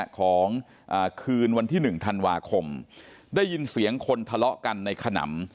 ของคืนวันที่๑ธันวาคมได้ยินเสียงคนทะเลาะกันในขนำ